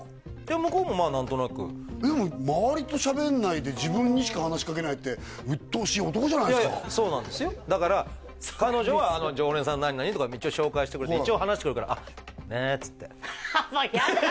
向こうも何となくでも周りとしゃべんないで自分にしか話し掛けないってうっとうしい男じゃないですかいやいやそうなんですよだから彼女は常連さんの何々とか一応紹介してくれて一応話してくるから「ね」っつってもう嫌だ！